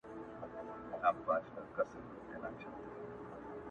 بابولاله~